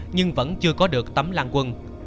nhưng vẫn chưa có được tấm lan quân